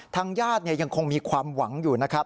ทางญาติยังคงมีความหวังอยู่นะครับ